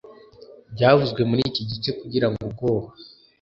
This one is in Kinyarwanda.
byavuzwe muri iki gice kugira ubwoba